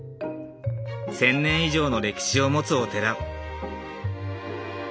１，０００年以上の歴史を持つお寺。